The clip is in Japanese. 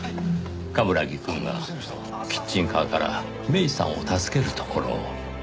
冠城くんがキッチンカーから芽依さんを助けるところを。